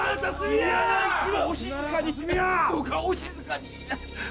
どうかお静かに！